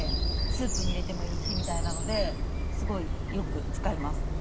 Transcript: スープに入れてもいいしみたいなのですごいよく使います。